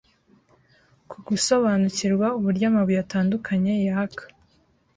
ku gusobanukirwa uburyo amabuye atandukanye yaka